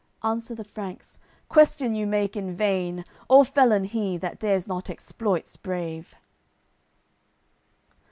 Answer the Franks, "Question you make in vain; All felon he that dares not exploits brave!"